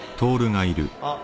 あっ。